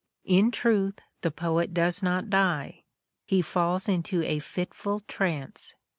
In truth, the poet does not diej he falls into a fitful trance.